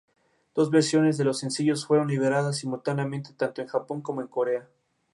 Dos versiones de los sencillos fueron liberadas simultáneamente tanto en Japón como en Corea.